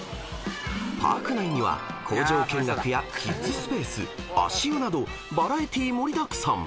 ［パーク内には工場見学やキッズスペース足湯などバラエティー盛りだくさん！］